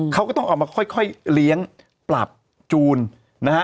เขาก็ต้องเอามาค่อยเลี้ยงปรับจูนนะฮะ